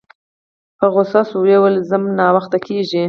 په غوسه شوه ویل یې ځم ناوخته کیږي